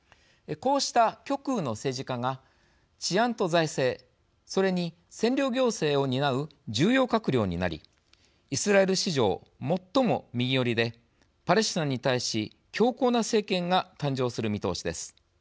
こうした極右の政治家が治安と財政、それに占領行政を担う重要閣僚になりイスラエル史上、最も右寄りでパレスチナに対し強硬な政権が誕生する見通しです。